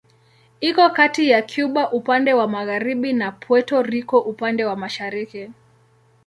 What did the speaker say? Iko kati ya Kuba upande wa magharibi na Puerto Rico upande wa mashariki.